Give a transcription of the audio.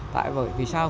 tại vì sao